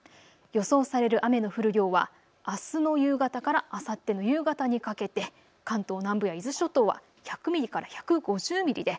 予想される雨の降る量はあすの夕方からあさっての夕方にかけて関東南部や伊豆諸島は１００ミリから１５０ミリで